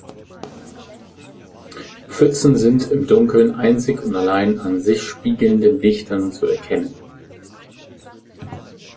Pfützen sind im Dunkeln einzig und allein an sich spiegelnden Lichtern zu erkennen.